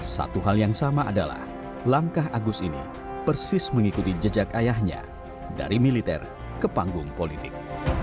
satu hal yang sama adalah langkah agus ini persis mengikuti jejak ayahnya dari militer ke panggung politik